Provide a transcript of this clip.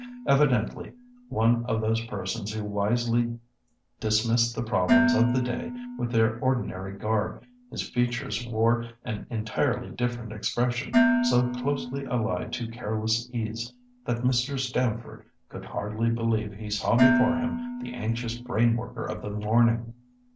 Evidently one of those persons who wisely dismiss the problems of the day with their ordinary garb, his features wore an entirely different expression, so closely allied to careless ease that Mr. Stamford could hardly believe he saw before him the anxious brain worker of the morning.